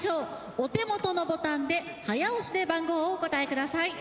お手元のボタンで早押しで番号をお答え下さい。